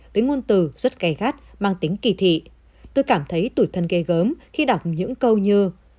với ngôn từ rất cay gắt mang tính kỳ thị tôi cảm thấy tủi thân ghê gớm khi đọc những câu như